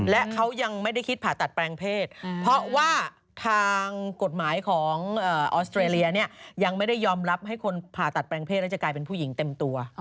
และเขายังไม่ได้คิดผ่าตัดแปลงเพศเพราะว่าทางกฎหมายของออสเตรเลียเนี่ยยังไม่ได้ยอมรับให้คนผ่าตัดแปลงเพศแล้วจะกลายเป็นผู้หญิงเต็มตัว